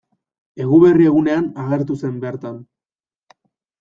Eguberri egunean agertu zen bertan.